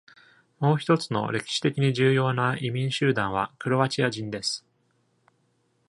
もう一つの歴史的に重要な移民集団はクロアチア人です。